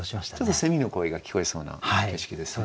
セミの声が聞こえそうな景色ですね。